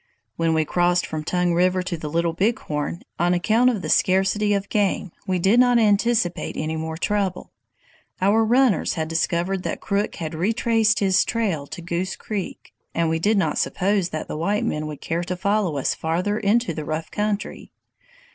"When we crossed from Tongue River to the Little Big Horn, on account of the scarcity of game, we did not anticipate any more trouble. Our runners had discovered that Crook had retraced his trail to Goose Creek, and we did not suppose that the white men would care to follow us farther into the rough country.